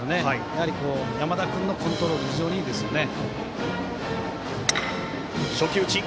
やはり、山田君のコントロールが非常にいいですよね。